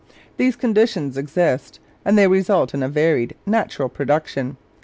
These conditions exist, and they result in a varied natural production.